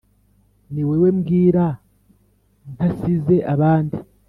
ni wowe mbwira ntasize abandi